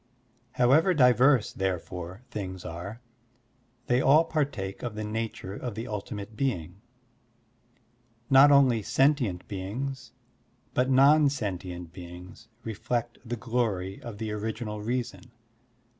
However diverse, therefore, things are, they all partake of the nature of the ultimate being. Not only sentient beings, but non sentient beings, reflect the glory of the Original Reason.